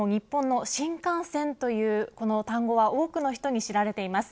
海外でも日本の新幹線という単語は多くの人に知られています。